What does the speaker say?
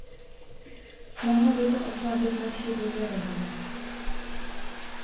Mohlo by to oslabit naši důvěryhodnost.